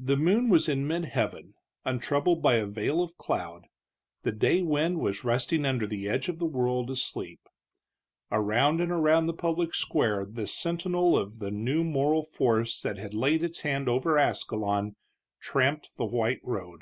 The moon was in mid heaven, untroubled by a veil of cloud; the day wind was resting under the edge of the world, asleep. Around and around the public square this sentinel of the new moral force that had laid its hand over Ascalon tramped the white road.